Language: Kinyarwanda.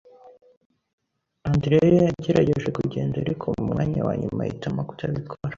Andreya yagerageje kugenda, ariko mu mwanya wa nyuma ahitamo kutabikora.